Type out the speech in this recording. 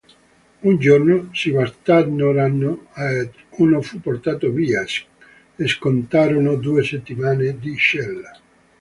Un giorno si bastonarono ed uno fu portato via; scontarono due settimane di cella.